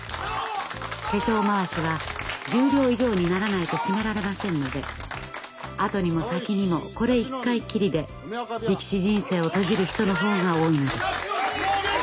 化粧まわしは十両以上にならないと締められませんので後にも先にもこれ一回きりで力士人生を閉じる人の方が多いのです。